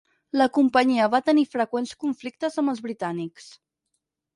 La companyia va tenir freqüents conflictes amb els britànics.